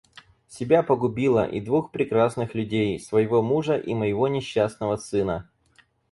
Себя погубила и двух прекрасных людей — своего мужа и моего несчастного сына.